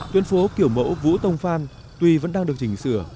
tuyến phố vũ tàu tuy vẫn đang được chỉnh sửa